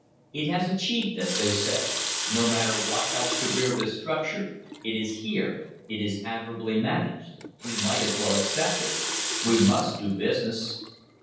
"It has achieved this," they say; "no matter what helped to rear this structure, it is here, it is admirably managed. We might as well accept it. We must do business."